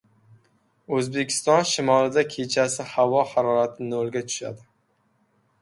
O‘zbekiston shimolida kechasi havo harorati nolga tushadi